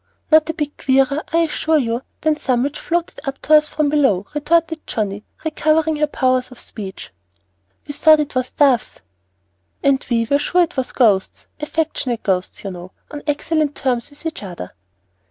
"Not a bit queerer, I assure you, than some which floated up to us from below," retorted Johnnie, recovering her powers of speech. "We thought it was doves." "And we were sure it was ghosts, affectionate ghosts, you know, on excellent terms with each other."